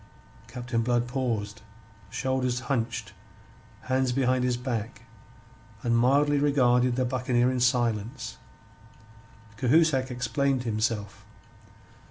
Captain Blood paused, shoulders hunched, hands behind his back, and mildly regarded the buccaneer in silence. Cahusac explained himself.